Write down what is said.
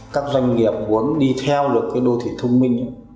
các doanh nghiệp muốn đi theo được cái đô thị thông minh